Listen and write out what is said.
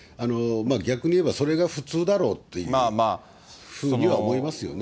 逆に言えば、それが普通だろうというふうには思いますよね。